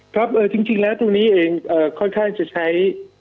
ครับจริงแล้วตรงนี้เองค่อนข้างจะใช้